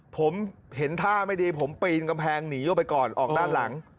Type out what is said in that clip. ผมเห็นท่าไม่ดีผมปีนกำแพงหนีออกไปก่อนออกด้านหลัง